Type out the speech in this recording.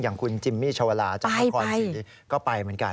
อย่างคุณจิมมี่ชาวลาจากนครศรีก็ไปเหมือนกัน